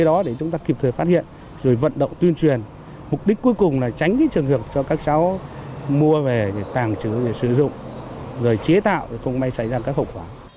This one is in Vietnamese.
để chúng ta kịp thời phát hiện rồi vận động tuyên truyền mục đích cuối cùng là tránh trường hợp cho các cháu mua về tàng trứ sử dụng rồi chế tạo không may xảy ra các hậu quả